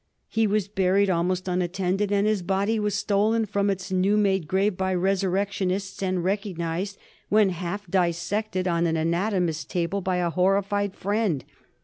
He was buried almost unattended, and his body was stolen from its new made grave by resurrectionists, and recognized, when half dis sected, on an anatomist's table by a horrified friend.